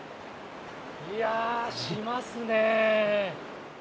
いやー、しますね。